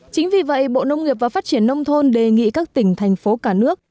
chính vì vậy bộ nông nghiệp và phát triển nông thôn đề nghị các tỉnh thành phố cả nước